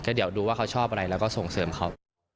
เดี๋ยวดูว่าเขาชอบอะไรแล้วก็ส่งเสริมเขา